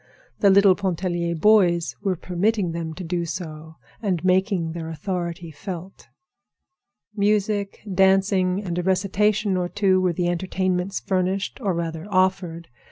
The little Pontellier boys were permitting them to do so, and making their authority felt. Music, dancing, and a recitation or two were the entertainments furnished, or rather, offered.